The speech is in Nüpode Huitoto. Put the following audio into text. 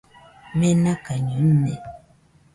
Menakaiño ine